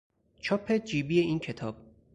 چاپ جیبی این کتاب